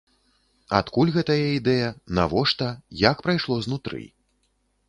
Адкуль гэтая ідэя, навошта, як прайшло знутры?